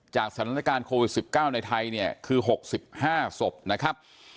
สถานการณ์โควิด๑๙ในไทยเนี่ยคือ๖๕ศพนะครับ